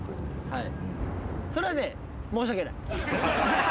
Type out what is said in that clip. はい。